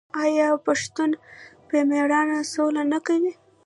آیا پښتون په میړانه سوله نه کوي؟